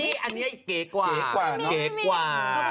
อันนี้เก๊กกว่า